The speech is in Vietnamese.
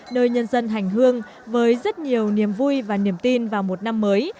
nơi nhân dân hành hương với rất nhiều niềm vui và niềm tin vào một năm mới